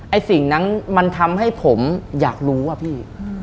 สิ่งนั้นมันทำให้ผมอยากรู้อะพี่